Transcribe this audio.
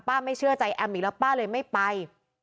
ไม่เชื่อใจแอมอีกแล้วป้าเลยไม่ไป